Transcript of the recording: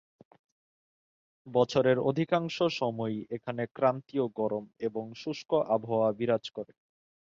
বছরের অধিকাংশ সময়ই এখানে ক্রান্তীয় গরম এবং শুষ্ক আবহাওয়া বিরাজ করে।